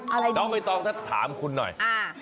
อะไรดีน้องใบตองถ้าถามคุณหน่อยอ่า